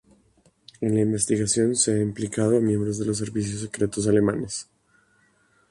En la investigación se ha implicado a miembros de los servicios secretos alemanes.